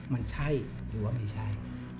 มันใช่หรือว่าไม่ใช่